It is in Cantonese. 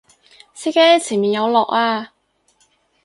司機前面有落啊！